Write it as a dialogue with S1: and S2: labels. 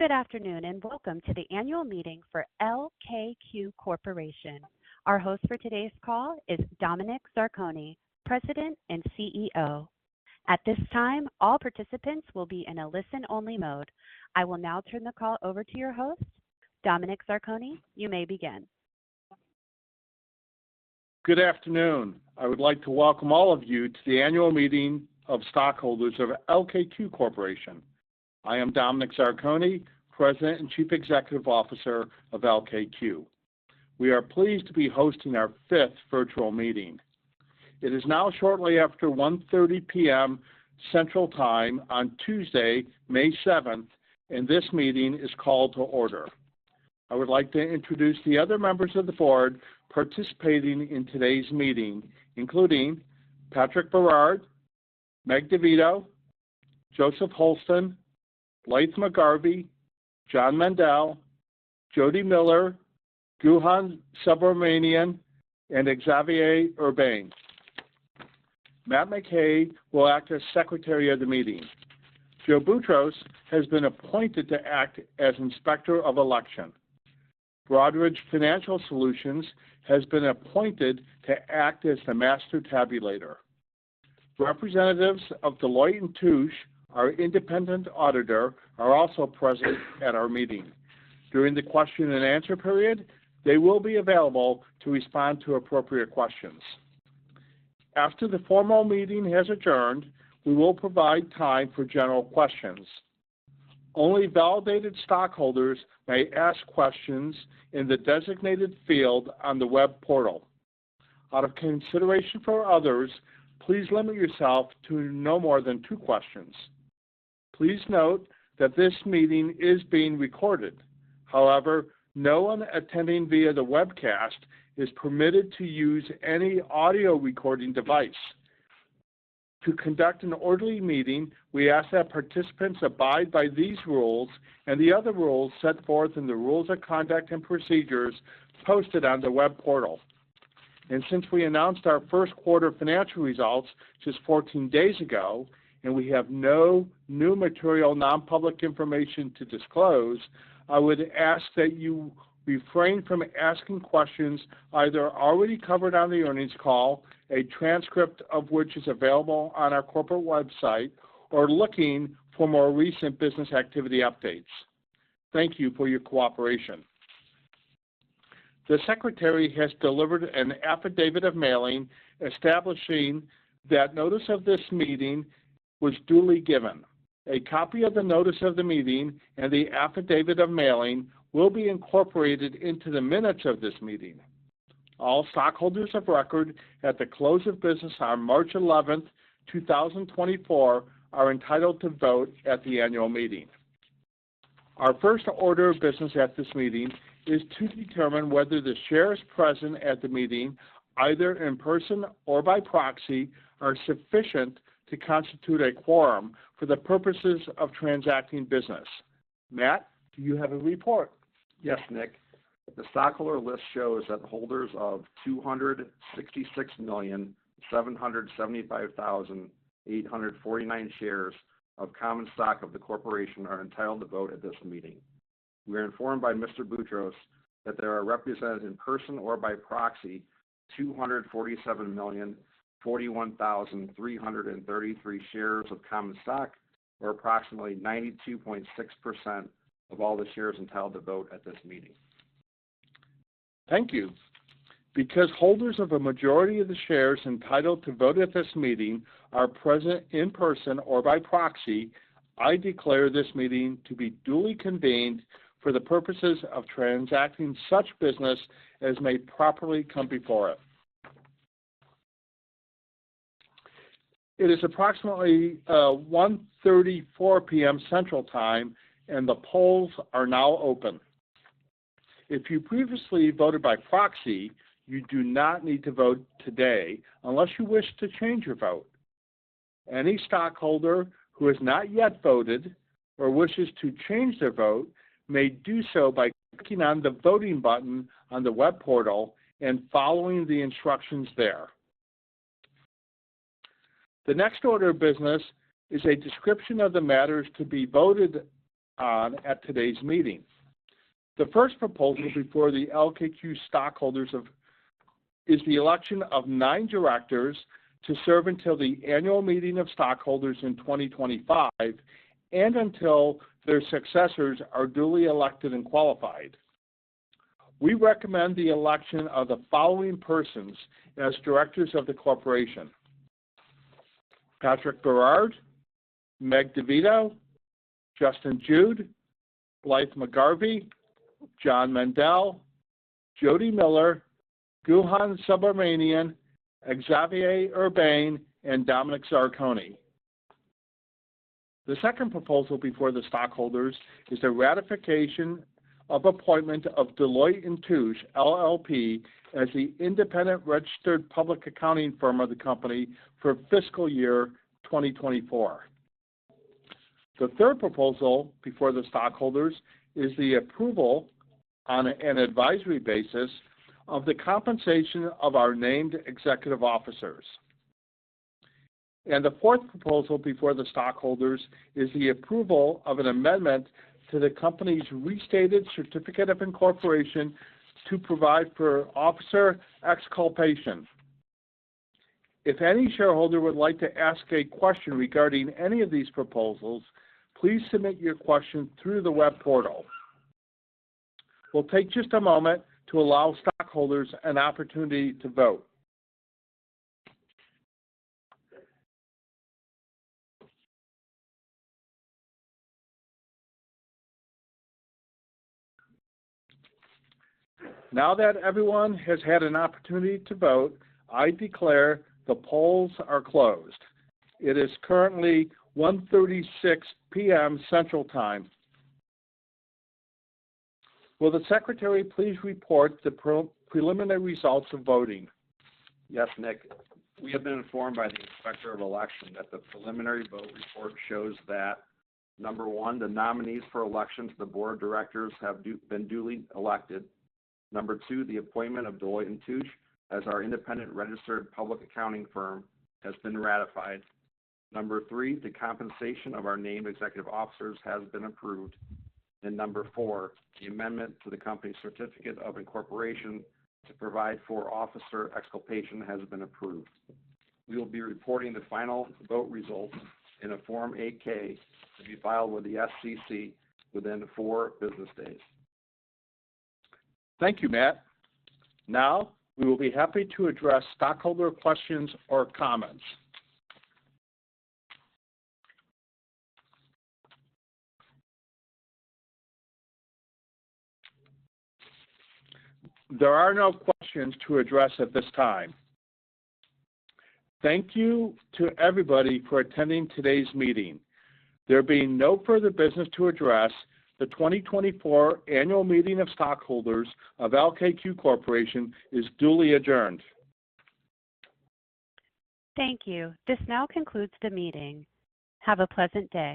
S1: Good afternoon, and welcome to the annual meeting for LKQ Corporation. Our host for today's call is Dominick Zarcone, President and CEO. At this time, all participants will be in a listen-only mode. I will now turn the call over to your host. Dominick Zarcone, you may begin.
S2: Good afternoon. I would like to welcome all of you to the annual meeting of stockholders of LKQ Corporation. I am Dominick Zarcone, President and Chief Executive Officer of LKQ. We are pleased to be hosting our fifth virtual meeting. It is now shortly after 1:30 P.M. Central Time on Tuesday, May seventh, and this meeting is called to order. I would like to introduce the other members of the board participating in today's meeting, including Patrick Berard, Meg Divitto, Joseph Holsten, Blythe McGarvie, John Mendel, Jody Miller, Guhan Subramanian, and Xavier Urbain. Matt McKay will act as Secretary of the meeting. Joe Boutross has been appointed to act as Inspector of Election. Broadridge Financial Solutions has been appointed to act as the master tabulator. Representatives of Deloitte & Touche, our independent auditor, are also present at our meeting. During the question and answer period, they will be available to respond to appropriate questions. After the formal meeting has adjourned, we will provide time for general questions. Only validated stockholders may ask questions in the designated field on the web portal. Out of consideration for others, please limit yourself to no more than two questions. Please note that this meeting is being recorded. However, no one attending via the webcast is permitted to use any audio recording device. To conduct an orderly meeting, we ask that participants abide by these rules and the other rules set forth in the Rules of Conduct and Procedures posted on the web portal. Since we announced our first quarter financial results just 14 days ago, and we have no new material, non-public information to disclose, I would ask that you refrain from asking questions either already covered on the earnings call, a transcript of which is available on our corporate website, or looking for more recent business activity updates. Thank you for your cooperation. The secretary has delivered an affidavit of mailing, establishing that notice of this meeting was duly given. A copy of the notice of the meeting and the affidavit of mailing will be incorporated into the minutes of this meeting. All stockholders of record at the close of business on March 11, 2024, are entitled to vote at the annual meeting. Our first order of business at this meeting is to determine whether the shares present at the meeting, either in person or by proxy, are sufficient to constitute a quorum for the purposes of transacting business. Matt, do you have a report?
S3: Yes, Nick. The stockholder list shows that holders of 266,775,849 shares of common stock of the corporation are entitled to vote at this meeting. We are informed by Mr. Boutross that they are represented in person or by proxy, 247,041,333 shares of common stock, or approximately 92.6% of all the shares entitled to vote at this meeting.
S2: Thank you. Because holders of a majority of the shares entitled to vote at this meeting are present in person or by proxy, I declare this meeting to be duly convened for the purposes of transacting such business as may properly come before it. It is approximately 1:34 P.M. Central Time, and the polls are now open. If you previously voted by proxy, you do not need to vote today unless you wish to change your vote. Any stockholder who has not yet voted or wishes to change their vote, may do so by clicking on the voting button on the web portal and following the instructions there. The next order of business is a description of the matters to be voted on at today's meeting. The first proposal before the LKQ stockholders is the election of nine directors to serve until the annual meeting of stockholders in 2025 and until their successors are duly elected and qualified. We recommend the election of the following persons as directors of the corporation: Patrick Berard, Meg Ann Divitto, Justin Jude, Blythe J. McGarvie, John William Mendel, Jody Greenstone Miller, Guhan Subramanian, Xavier Urbain, and Dominick Zarcone. The second proposal before the stockholders is the ratification of appointment of Deloitte & Touche, LLP, as the independent registered public accounting firm of the company for fiscal year 2024. The third proposal before the stockholders is the approval on an advisory basis of the compensation of our named executive officers. The fourth proposal before the stockholders is the approval of an amendment to the company's restated certificate of incorporation to provide for officer exculpation. If any shareholder would like to ask a question regarding any of these proposals, please submit your question through the web portal. We'll take just a moment to allow stockholders an opportunity to vote. Now that everyone has had an opportunity to vote, I declare the polls are closed. It is currently 1:36 P.M. Central Time. Will the secretary please report the preliminary results of voting?
S3: Yes, Nick. We have been informed by the Inspector of Election that the preliminary vote report shows that: number one, the nominees for election to the board of directors have been duly elected. Number two, the appointment of Deloitte & Touche as our independent registered public accounting firm has been ratified. Number three, the compensation of our named executive officers has been approved. Number four, the amendment to the company's certificate of incorporation to provide for officer exculpation has been approved. We will be reporting the final vote results in a Form 8-K to be filed with the SEC within 4 business days.
S2: Thank you, Matt. Now, we will be happy to address stockholder questions or comments. There are no questions to address at this time. Thank you to everybody for attending today's meeting. There being no further business to address, the 2024 Annual Meeting of Stockholders of LKQ Corporation is duly adjourned.
S1: Thank you. This now concludes the meeting. Have a pleasant day.